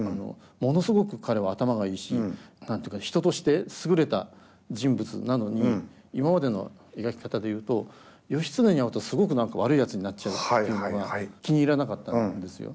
ものすごく彼は頭がいいし人として優れた人物なのに今までの描き方で言うと義経に会うとすごく何か悪いやつになっちゃうっていうのが気に入らなかったんですよ。